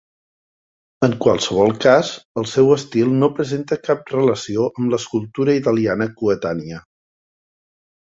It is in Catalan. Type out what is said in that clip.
En qualsevol cas, el seu estil no presenta cap relació amb l'escultura italiana coetània.